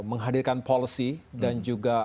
menghadirkan policy dan juga